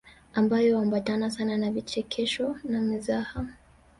Ambayo huambatana sana na vichekesho na mizaha